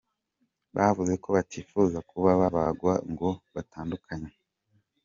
Bavuze ko batifuza kuba babagwa ngo batandukanywe.